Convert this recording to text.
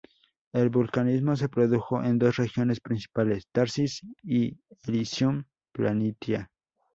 El vulcanismo se produjo en dos regiones principales, "Tharsis" y "Elysium Planitia".